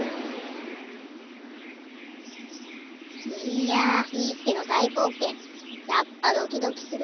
「」いやビーすけの大冒険やっぱドキドキする。